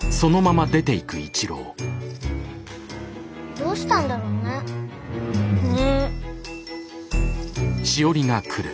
どうしたんだろうね？ね。